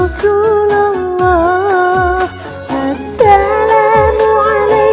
assalamualaikum ya rasulullah